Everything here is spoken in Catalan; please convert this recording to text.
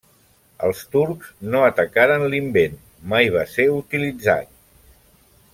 Els turcs no atacaren i l'invent mai va ser utilitzat.